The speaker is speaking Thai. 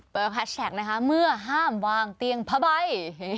แฮชแท็กนะคะเมื่อห้ามวางเตียงผ้าใบ